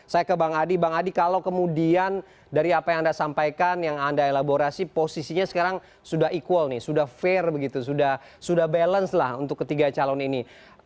saya ke bang adi bang adi kalau kemudian dari apa yang anda sampaikan yang anda elaborasi posisinya sekarang sudah equal nih sudah fair begitu sudah balance lah untuk ketiga calon ini